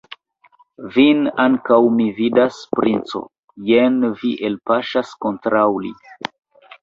Vin ankaŭ mi vidas, princo, jen vi elpaŝas kontraŭ li.